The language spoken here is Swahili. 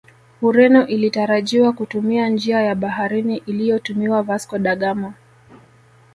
Ureno ilitarajiwa kutumia njia ya baharini iliyotumiwa Vasco da Ghama